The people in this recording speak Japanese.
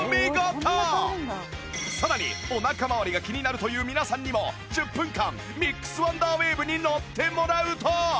さらにお腹まわりが気になるという皆さんにも１０分間ミックスワンダーウェーブに乗ってもらうと